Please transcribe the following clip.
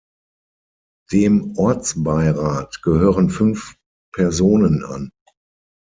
Dem Ortsbeirat gehören fünf Personen an.